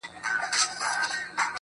ستا د ښکلي مخ له رويه چي خوښيږي